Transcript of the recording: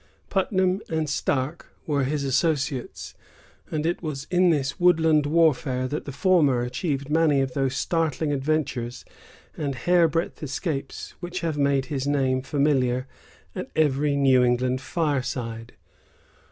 Putnam and Stark were his associates; and it was in this woodland warfare that the former achieved many of those startling adventures and hair breadth escapes which have made his name familiar at every New England fireside.